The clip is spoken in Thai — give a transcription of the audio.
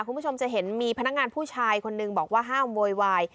คุณผู้ชมจะเห็นมีพนักงานผู้ชายคนนึงบอกว่าห้ามโวยวาย